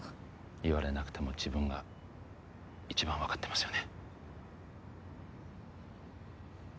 言われなくても自分が一番分かってますよね